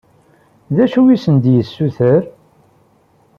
D acu i asen-d-yessuter?